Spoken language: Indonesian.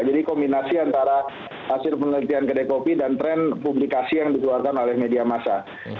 jadi kombinasi antara hasil penelitian kedai kopi dan tren publikasi yang dibuat oleh media masa